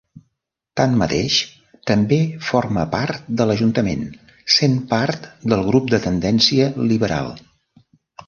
Tanmateix, també forma part de l'ajuntament sent part del grup de tendència liberal.